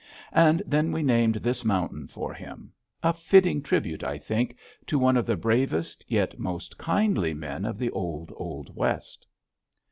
And then we named this mountain for him. A fitting tribute, I think, to one of the bravest yet most kindly men of the old, old West!